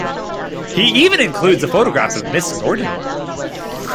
He even includes a photograph of Miss Norton.